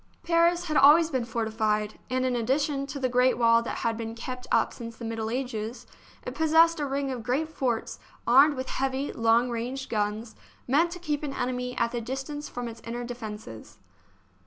Paris had always been forti fied, and in addition to the great wall that had been kept up since the Middle Ages, it possessed a ring of great forts armed with heavy, long range guns, meant to keep an enemy at the distance from its inner defences.